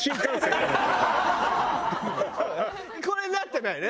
これになってないね。